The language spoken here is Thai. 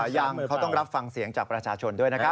ยังเขาต้องรับฟังเสียงจากประชาชนด้วยนะครับ